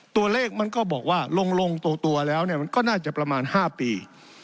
ตัวเลขมันก็บอกว่าลงตัวแล้วเนี่ยมันก็น่าจะประมาณ๕ปี